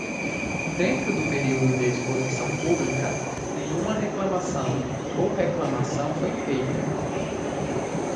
Dentro do período de exposição pública, nenhuma reclamação ou reclamação foi feita.